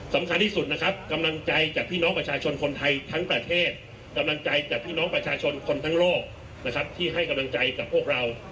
สำคัญที่สุดนะครับกำลังใจจากพี่น้องประชาชนคนไทยทั้งประเทศกำลังใจจากพี่น้องประชาชนคนทั้งโลกนะครับที่ให้กำลังใจกับพวกเรา